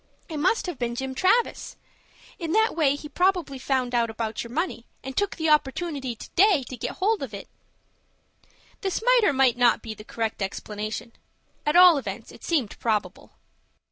It must have been Jim Travis. In that way he probably found out about your money, and took the opportunity to day to get hold of it." This might or might not be the correct explanation. At all events it seemed probable.